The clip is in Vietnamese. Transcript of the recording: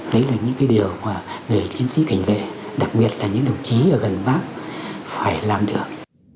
đấy là những cái điều mà người chiến sĩ cảnh vệ đặc biệt là những đồng chí ở gần bác phải làm được